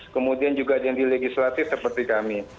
kemudian juga ada yang dilegislatif seperti kami